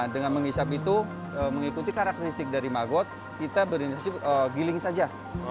dengan menghisap itu mengikuti karakteristik dari magot kita berinisiasi giling saja